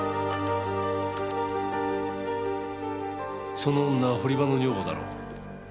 その女は堀場の女房だろう？